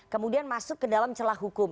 kemudian masuk ke dalam celah hukum